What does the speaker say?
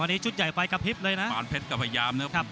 วันนี้ชุดใหญ่ไปกลับฮิปเลยนะ